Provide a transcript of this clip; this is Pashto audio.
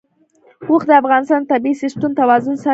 اوښ د افغانستان د طبعي سیسټم توازن ساتي.